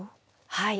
はい。